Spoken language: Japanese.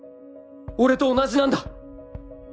俺と同じなんだ